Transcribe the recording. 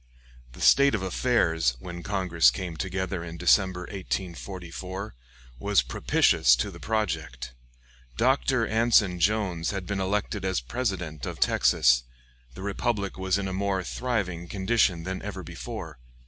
The state of affairs, when Congress came together in December, 1844, was propitious to the project. Dr. Anson Jones had been elected as President of Texas; the republic was in a more thriving condition than ever before.